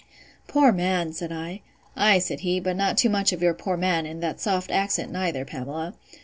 Poor man! said I. Ay, said he, but not too much of your poor man, in that soft accent, neither, Pamela.